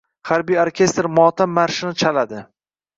Harbiy orkestr motam marshini chaladi.